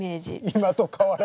今と変わらない。